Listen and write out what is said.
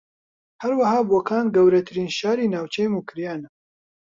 ھەروەھا بۆکان گەورەترین شاری ناوچەی موکریانە